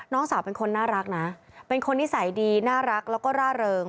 น้องสาวเป็นคนน่ารักนะเป็นคนนิสัยดีน่ารักแล้วก็ร่าเริง